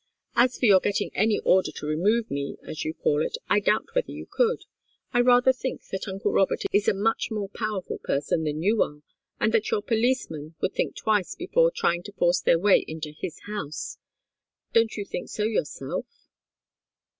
"As for your getting any order to remove me, as you call it, I doubt whether you could. I rather think that uncle Robert is a much more powerful person than you are, and that your policemen would think twice before trying to force their way into his house. Don't you think so yourself?"